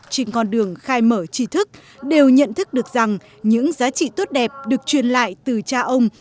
trên con đường khai mở tri thức đều nhận thức được rằng những giá trị tốt đẹp được truyền lại từ cha ông